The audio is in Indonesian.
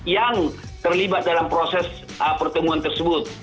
yang terlibat dalam proses pertemuan tersebut